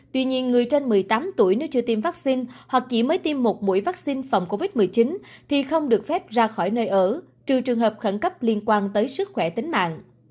tuy nhiên người trên một mươi tám tuổi nếu chưa tiêm vaccine hoặc chỉ mới tiêm một mũi vaccine phòng covid một mươi chín thì không được phép ra khỏi nơi ở trừ trường hợp khẩn cấp liên quan tới sức khỏe tính mạng